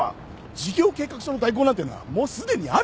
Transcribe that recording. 事業計画書の代行なんてのはもうすでにある。